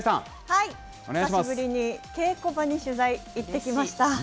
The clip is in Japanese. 久しぶりに稽古場に取材、行ってきました。